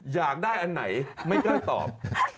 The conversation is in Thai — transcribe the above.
อยากได้อันไหนไม่กล้าตอบ